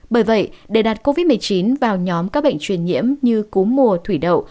bởi vậy để đặt covid một mươi chín vào nhóm các bệnh truyền nhiễm như cúm mùa thủy đậu